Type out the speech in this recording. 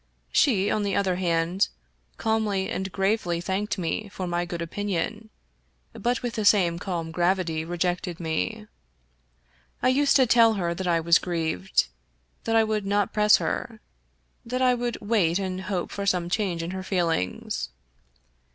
She, on the other hand, calmly and gravely thanked me for my good opinion, but with the same calm gravity rejected me. I used to tell her that I was grieved ; that I would not press her ; that I would wait and hope for some change in her feelings.